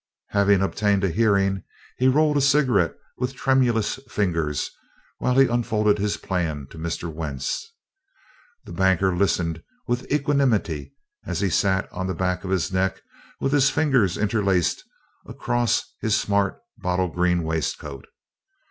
Having obtained a hearing, he rolled a cigarette with tremulous fingers while he unfolded his plan to Mr. Wentz. The banker listened with equanimity as he sat on the back of his neck with his fingers interlaced across his smart bottle green waistcoat.